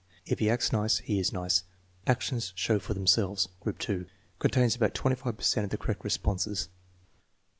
"If he acts nice he is nice." "Actions show for themselves." Group (2) contains about 25 per cent of the correct responses.